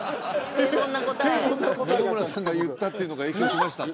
平凡な答え野々村さんが言ったっていうのが影響しましたか？